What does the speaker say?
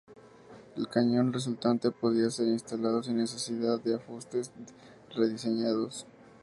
El cañón resultante podía ser instalado sin necesidad de afustes rediseñados.